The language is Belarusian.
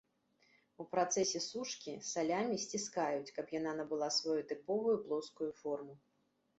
У працэсе сушкі, салямі сціскаюць, каб яна набыла сваю тыповую плоскую форму.